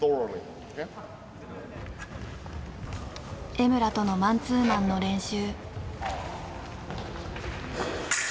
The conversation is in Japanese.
江村とのマンツーマンの練習。